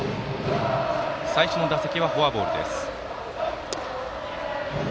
最初の打席はフォアボールです。